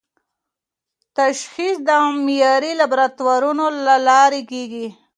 تشخیص د معیاري لابراتوارونو له لارې کېږي.